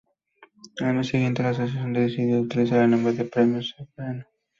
Al mes siguiente, la asociación decidió utilizar el nombre de "Premios Soberano".